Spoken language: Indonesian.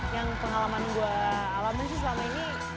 yang pengalaman gue alami sih selama ini